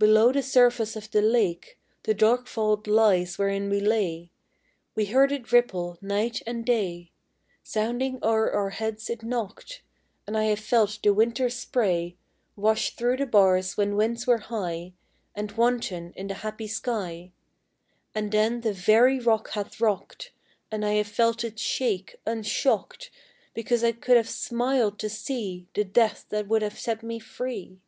Below the surface of the lake The dark vault lies wherein we lay, We heard it ripple night and day; Sounding o'er our heads it knocked; And I have felt the winter's spray Wash through the bars when winds were high And wanton in the happy sky; And then the very rock hath rocked, And I have felt it shake, unshocked, Because I could have smiled to see The death that would have set me free.